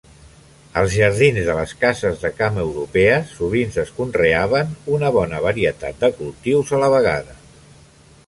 Als jardins de les cases de camp europees sovint es conreaven una bona varietat de cultius a la vegada.